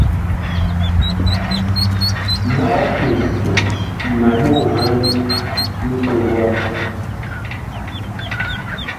Mag ki ma ɓoŋhan mpeg wama.